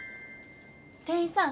店員さん。